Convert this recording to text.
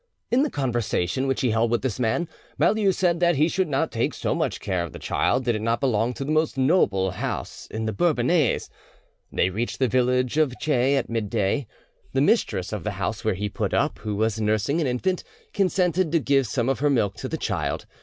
In the conversation which he held with this man, Baulieu said that he should not take so much care of the child did it not belong to the most noble house in the Bourbonnais. They reached the village of Che at midday. The mistress of the house where he put up, who was nursing an infant, consented to give some of her milk to the child.